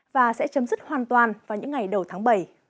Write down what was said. và sẽ chấm dứt hoàn toàn vào những ngày đầu tháng bảy